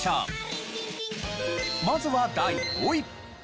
まずは第５位。